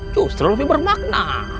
justru lebih bermakna